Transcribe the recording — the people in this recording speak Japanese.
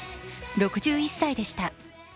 ６１歳でした。